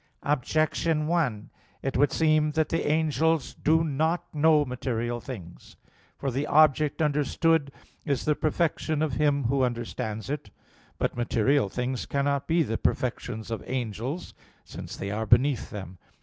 Objection 1: It would seem that the angels do not know material things. For the object understood is the perfection of him who understands it. But material things cannot be the perfections of angels, since they are beneath them.